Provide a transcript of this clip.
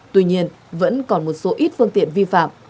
tuy nhiên vẫn còn một số ít phương tiện vi phạm